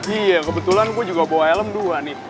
iya kebetulan gue juga bawa helm dua nih